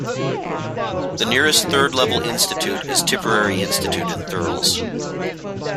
The nearest Third-Level Institute is Tipperary Institute in Thurles.